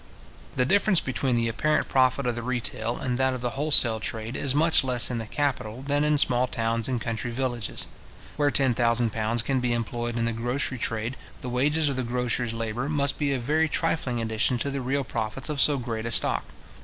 The difference between the apparent profit of the retail and that of the wholesale trade, is much less in the capital than in small towns and country villages. Where ten thousand pounds can be employed in the grocery trade, the wages of the grocer's labour must be a very trifling addition to the real profits of so great a stock.